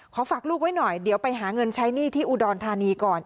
ฝากลูกไว้หน่อยเดี๋ยวไปหาเงินใช้หนี้ที่อุดรธานีก่อน